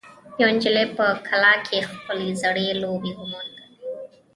یوه نجلۍ په کلا کې خپلې زړې لوبې وموندې.